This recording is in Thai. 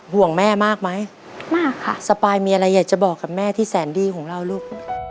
ห่วงแม่มากไหมมากค่ะสปายมีอะไรอยากจะบอกกับแม่ที่แสนดีของเราลูก